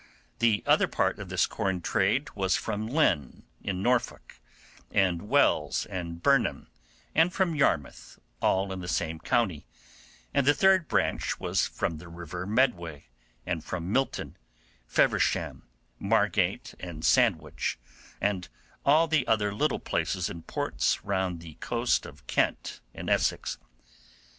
The other part of this corn trade was from Lynn, in Norfolk, from Wells and Burnham, and from Yarmouth, all in the same county; and the third branch was from the river Medway, and from Milton, Feversham, Margate, and Sandwich, and all the other little places and ports round the coast of Kent and Essex.